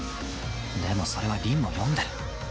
でもそれは凛も読んでる